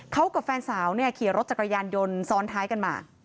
เขากับแฟนสาวขี่รถจักรยานยนต์ซ้อนท้ายกันมา